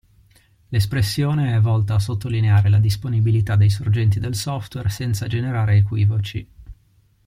L'espressione è volta a sottolineare la disponibilità dei sorgenti del software senza generare equivoci.